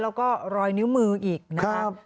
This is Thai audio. แล้วก็รอยนิ้วมืออีกนะครับ